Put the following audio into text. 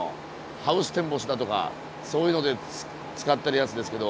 ハウステンボスだとかそういうので使ってるやつですけど。